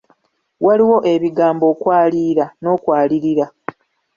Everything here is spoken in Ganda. Waliwo ebigambo okwaliira n'okwalirira.